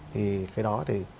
thì cái đó thì